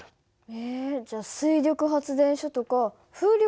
えじゃあ水力発電所とか風力発電は？